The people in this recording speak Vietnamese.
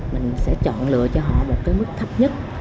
mình sẽ chọn lựa cho họ một cái mức thấp nhất